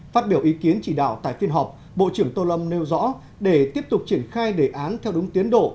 phát biểu ý kiến chỉ đạo tại phiên họp bộ trưởng tô lâm nêu rõ để tiếp tục triển khai đề án theo đúng tiến độ